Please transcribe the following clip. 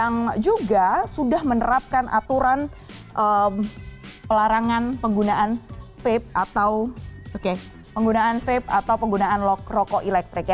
yang juga sudah menerapkan aturan pelarangan penggunaan vape atau penggunaan vape atau penggunaan rokok elektrik